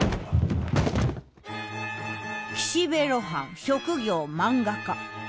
岸辺露伴職業漫画家。